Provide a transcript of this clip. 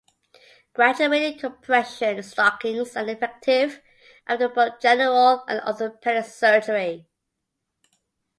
Graduated compression stockings are effective after both general and orthopedic surgery.